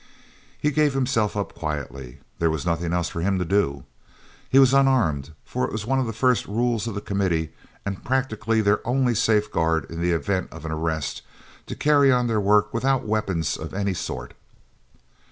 He gave himself up quietly; there was nothing else for him to do. He was unarmed, for it was one of the first rules of the Committee and practically their only safeguard in the event of an arrest, to carry on their work without weapons of any sort.